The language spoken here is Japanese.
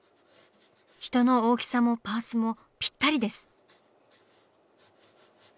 人の大きさもパースもぴったりです。